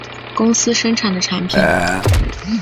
公司生产的产品